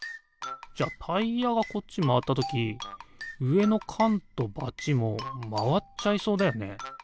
じゃタイヤがこっちまわったときうえのかんとバチもまわっちゃいそうだよね。